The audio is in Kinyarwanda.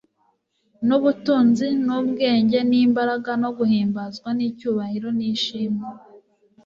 n'ubutunzi n'ubwenge n'imbaraga no guhimbazwa n'icyubahiro n'ishimwe.»